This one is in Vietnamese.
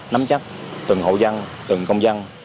nắm chắc từng hộ dân từng công dân